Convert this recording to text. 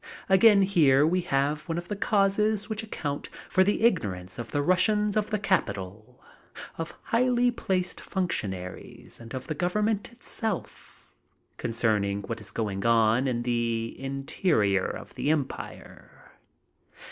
Again here we have one of the causes which account for the ignorance of the Russians of the capital, of highly placed functionaries, and of the government itself, concerning what is going on in the interior of the empire.